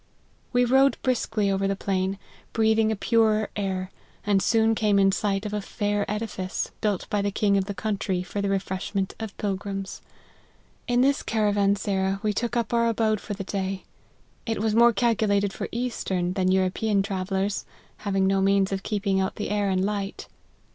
" We rode briskly over the plain, breathing a purer air, and soon came in sight of a fair edifice, built by the king of 'the country for the refreshment of pilgrims. In this caravansera we took up our abode for the day. It was more calculated for eastern, than European travellers, having no means of keeping out the air and light.